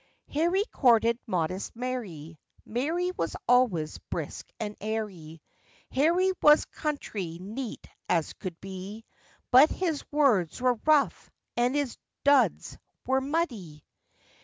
] HARRY courted modest Mary, Mary was always brisk and airy; Harry was country neat as could be, But his words were rough, and his duds were muddy.